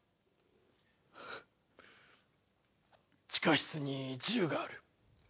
地下室に銃がある。